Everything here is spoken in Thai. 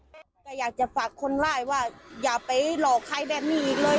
ก็อยากจะฝากคนร้ายว่าอย่าไปหลอกใครแบบนี้อีกเลย